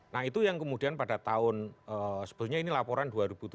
nah itu yang kemudian pada tahun sebetulnya ini laporan dua ribu tujuh belas